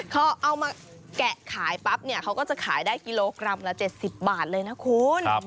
พอเอามาแกะขายปั๊บเนี่ยเขาก็จะขายได้กิโลกรัมละ๗๐บาทเลยนะคุณ